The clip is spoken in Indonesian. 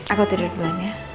aku tidur duluan ya